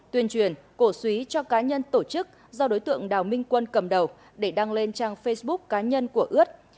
tuyên truyền cổ suý cho cá nhân tổ chức do đối tượng đào minh quân cầm đầu để đăng lên trang facebook cá nhân của ướt